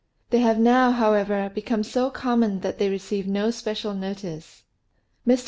They have now, however, be come so common that they receive no special notice. Mr.